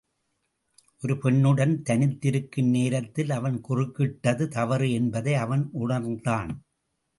ஒரு பெண்ணுடன் தனித்திருக்கும் நேரத்தில் அவன் குறுக்கிட்டது தவறு என்பதை அவன் உணர்ந்தான்.